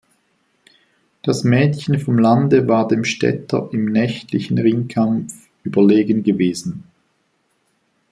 Das Mädchen vom Lande war dem Städter im nächtlichen Ringkampf überlegen gewesen.